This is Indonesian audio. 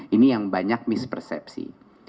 ini yang banyak mispersepsi